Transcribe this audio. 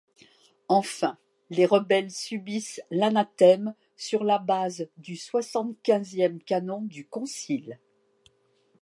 Enfin, les rebelles subissent l’anathème sur la base du soixante-quinzième canon du Concile.